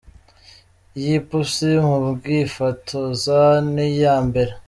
yi Pusi mu kwifotoza ni iya mbere.